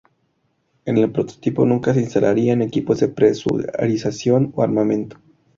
En el prototipo nunca se instalarían equipos de presurización o armamento.